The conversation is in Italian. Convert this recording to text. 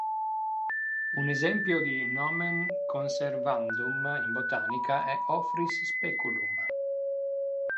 Un esempio di "nomen conservandum" in botanica è "Ophrys speculum".